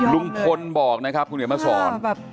ลุงพลบอกนะครับคุณเดี๋ยวมาสอน